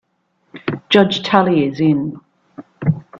Judge Tully is in.